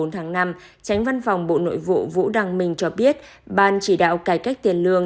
tránh văn phòng bộ nội vụ vũ đăng minh cho biết ban chỉ đạo cải cách tiền lương